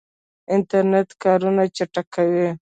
انټرنیټ کارونه چټکوي